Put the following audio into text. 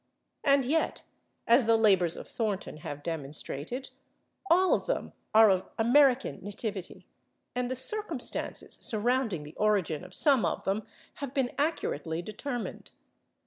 And yet, as the labors of Thornton have demonstrated, all of them are of American nativity, and the circumstances surrounding the origin of some of them have been accurately determined.